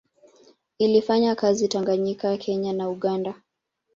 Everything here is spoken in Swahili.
Ilifanya kazi Tanganyika Kenya na Uganda